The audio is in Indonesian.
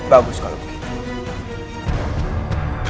bagus kalau begitu